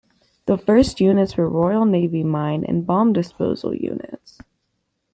The first units were Royal Navy Mine and Bomb Disposal Units.